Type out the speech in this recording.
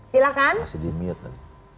silahkan masih di mute